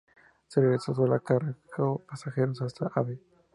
De Regreso solo carga pasajeros hasta Av.